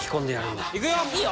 「いくよ」